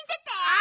あ！